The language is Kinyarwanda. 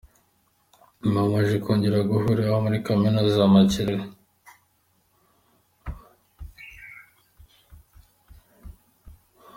Nyuma baje kongera guhurira muri kaminuza ya Makerere.